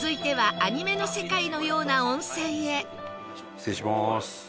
失礼します。